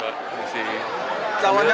calonnya sudah banyak